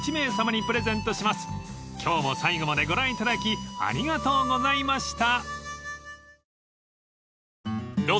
［今日も最後までご覧いただきありがとうございました］